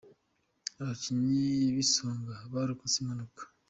Abakinnyi b’Isonga barokotse impanuka